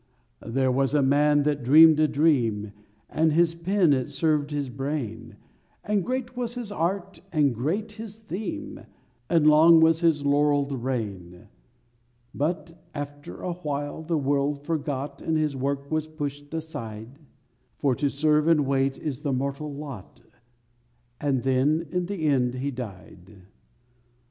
_ There was a man that dreamed a dream, And his pen it served his brain; And great was his art and great his theme And long was his laurelled reign; But after awhile the world forgot And his work was pushed aside, (For to serve and wait is the mortal lot) And then, in the end, he died.